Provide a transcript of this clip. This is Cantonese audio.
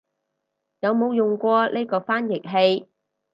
有冇用過呢個翻譯器